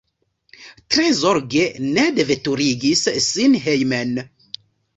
Tre zorge Ned veturigis sin hejmen.